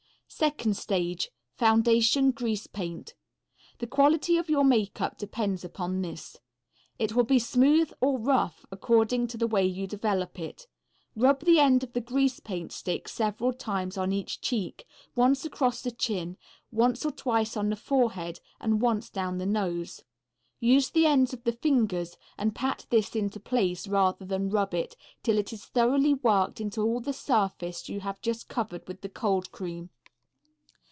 Second stage. Foundation Grease Paint. The quality of your makeup depends upon this. It will be smooth or rough according to the way you develop it. Rub the end of the grease paint stick several times on each cheek, once across the chin, once or twice on the forehead and once down the nose. Use the ends of the fingers and pat this into place rather than rub it, till it is thoroughly worked into all the surface you have just covered with the cold cream.